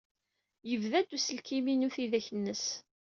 Yebda-d uselkim-inu tidak-nnes.